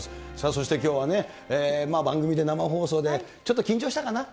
そしてきょうはね、番組で生放送で、ちょっと緊張したかな？